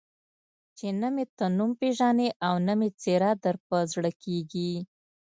چې نه مې ته نوم پېژنې او نه مې څېره در په زړه کېږي.